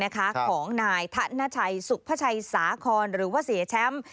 ของนายธนชัยสุพชัยสาคอนหรือว่าเสียแชมป์